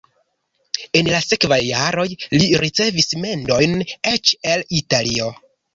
En la sekvaj jaroj li ricevis mendojn eĉ el Italio.